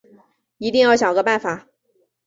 一定要想个办法